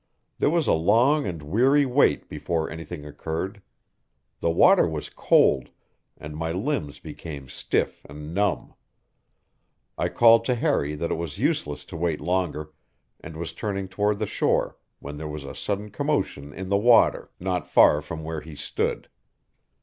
There was a long and weary wait before anything occurred. The water was cold, and my limbs became stiff and numb; I called to Harry that it was useless to wait longer, and was turning toward the shore when there was a sudden commotion in the water not far from where he stood.